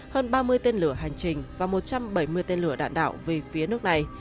hơn ba mươi tên lửa hành trình và một trăm bảy mươi tên lửa đạn đạo về phía nước này